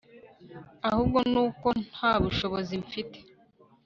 ahubwo nuko ntabushobozi mfite